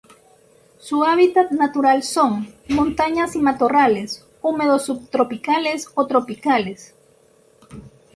Su hábitat natural son: montañas y matorrales, húmedos subtropicales o tropicales.